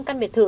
căn biệt thự